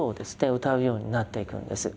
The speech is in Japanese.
うたうようになっていくんです。